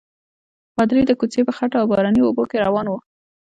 پادري د کوڅې په خټو او باراني اوبو کې روان وو.